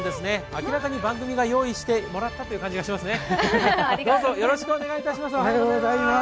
明らかに番組が用意してもらったという感じがしますね。